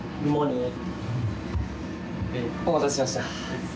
お待たせしました。